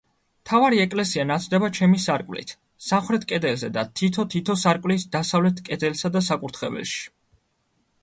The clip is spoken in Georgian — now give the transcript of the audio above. მთავარი ეკლესია ნათდება სამი სარკმლით, სამხრეთ კედელზე და თითო-თითო სარკმლით დასავლეთ კედელსა და საკურთხეველში.